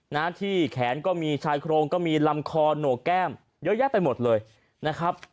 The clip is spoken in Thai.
นะที่แขนก็มีชายโครงก็มีลำคอโหนกแก้มเยอะแยะไปหมดเลยนะครับ